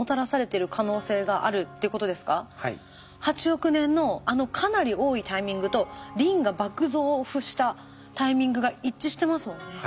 ８億年のあのかなり多いタイミングとリンが爆増したタイミングが一致してますもんね。